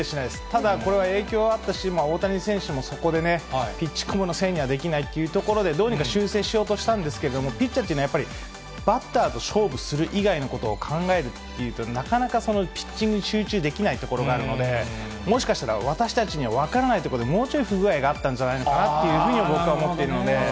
ただ、これは影響あったし、大谷選手もそこでね、ピッチコムのせいにはできないというところで、どうにか修正しようとしたんですけど、ピッチャーというのは、やっぱりバッターと勝負する以外のことを考えるっていうと、なかなかピッチングに集中できないところがあるので、もしかしたら、私たちには分からないところで、もうちょい不具合があったんじゃないかなというふうに、僕は思っているので。